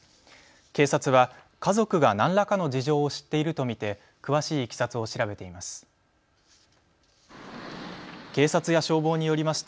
警察は家族が何らかの事情を知っていると見て詳しいいきさつを調べています。